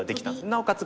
なおかつ